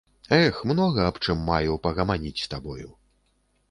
Эх, многа аб чым маю пагаманіць з табою.